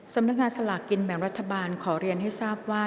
สำนักงานสลากกินแบ่งรัฐบาลขอเรียนให้ทราบว่า